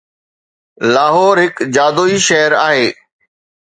لاهور هڪ جادوئي شهر آهي